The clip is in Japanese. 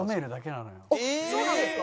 あっそうなんですか？